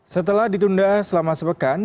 setelah ditunda selama sepekan